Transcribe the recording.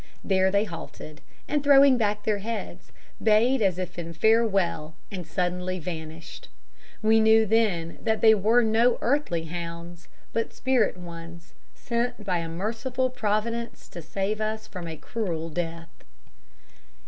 There they halted, and throwing back their heads, bayed as if in farewell, and suddenly vanished. We knew then that they were no earthly hounds, but spirit ones, sent by a merciful Providence to save us from a cruel death."